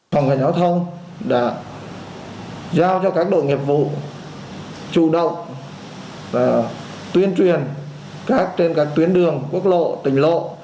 phòng cảnh giao thông đã giao cho các đội nghiệp vụ chủ động tuyên truyền trên các tuyến đường quốc lộ tỉnh lộ